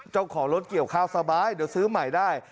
เจ้าของรถเกี่ยวข้าวสบายเดี๋ยวซื้อใหม่ได้